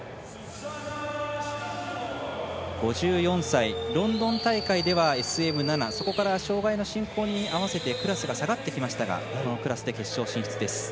５４歳、ロンドン大会ではＳＭ７そこから障がいの進行に合わせてクラスが下がってきましたがこのクラスで決勝進出です。